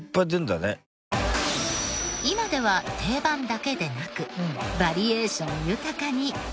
今では定番だけでなくバリエーション豊かに！